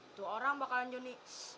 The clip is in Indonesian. itu orang bakalan jadi